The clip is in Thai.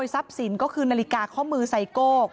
สับสินก็คือนาฬิกาข้อมือใส่โก๊ค